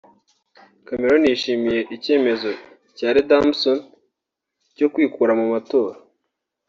Cameron yishimiye icyemezo cya Leadsom cyo kwikura mu matora